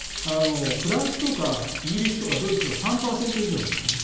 フランスとかイギリスとかドイツは３％以上なんですね。